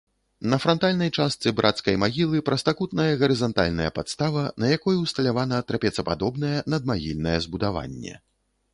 На франтальнай частцы брацкай магілы прастакутная гарызантальная падстава, на якой усталявана трапецападобнае надмагільнае збудаванне.